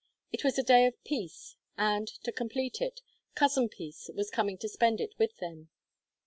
It was a day of peace, and, to complete it, "Cousin Peace" was coming to spend it with them.